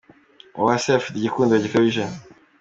Uwase afite igikundiro gikabije.